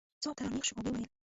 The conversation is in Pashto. ځواب ته را نېغ شو او یې وویل.